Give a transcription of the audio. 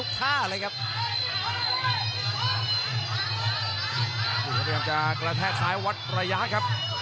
กระแทกซ้ายวัดระยะครับ